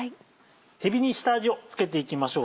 えびに下味を付けていきましょう。